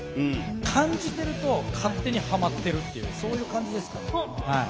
感じていると、勝手にハマってるっていう感じですかね。